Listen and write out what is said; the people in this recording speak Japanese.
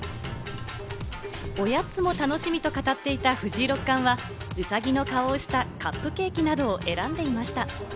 おやつも楽しみと語っていた藤井六冠はウサギの顔をしたカップケーキなどを選んでいました。